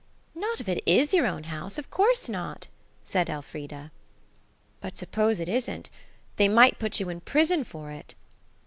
"Not if it is your own house. Of course not," said Elfrida. "But suppose it isn't? They might put you in prison for it."